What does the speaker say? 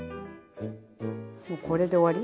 もうこれで終わり。